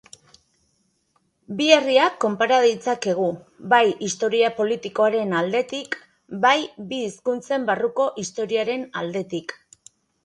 Bi herriak konpara ditzakegu bai historia politikoaren aldetik, bai bi hizkuntzen barruko historiaren aldetik.